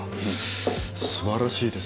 素晴らしいです